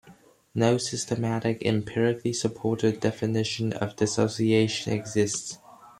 No systematic, empirically supported definition of "dissociation" exists.